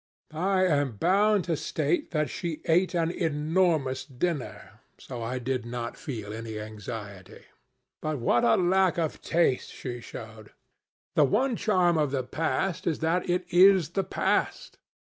I am bound to state that she ate an enormous dinner, so I did not feel any anxiety. But what a lack of taste she showed! The one charm of the past is that it is the past.